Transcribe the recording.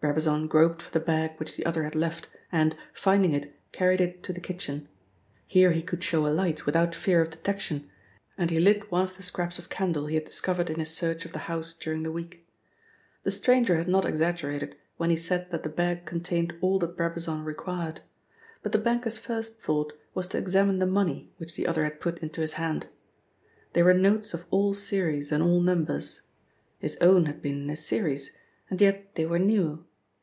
Brabazon groped for the bag which the other had left and, finding it, carried it to the kitchen. Here he could show a light without fear of detection, and he lit one of the scraps of candle he had discovered in his search of the house during the week. The stranger had not exaggerated when he said that the bag contained all that Brabazon required. But the banker's first thought was to examine the money which the other had put into his hand. They were notes of all series and all numbers. His own had been in a series, and yet they were new.